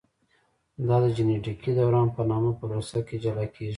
دا د جینټیکي دوران په نامه پروسه کې جلا کېږي.